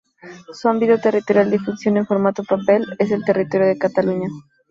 Su ámbito territorial de difusión, en formato papel, es el territorio de Cataluña.